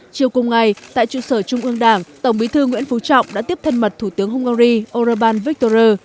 chiều cùng ngày tại trụ sở trung ương đảng tổng bí thư nguyễn phú trọng đã tiếp thân mật thủ tướng hungary orraban victor